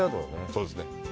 そうですね。